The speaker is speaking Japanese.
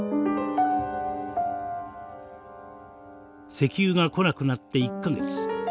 石油が来なくなって１か月。